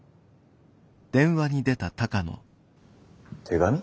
手紙？